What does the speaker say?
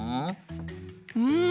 うん。